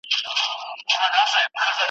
کور په کور کلي په کلي بوري وراري دي چي ګرزي .